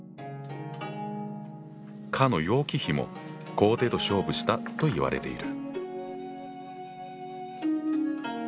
かの楊貴妃も皇帝と勝負したといわれている。